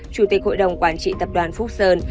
chủ tịch hội đồng quản trị tập đoàn phúc sơn